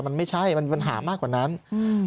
มันไม่ใช่มันปัญหามากกว่านั้นอืม